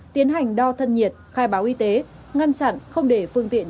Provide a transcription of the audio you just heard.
tiến hành đo thân nhiệt khai báo y tế ngăn chặn không để phương tiện